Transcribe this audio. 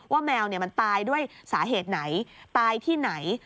แมวมันตายด้วยสาเหตุไหนตายที่ไหน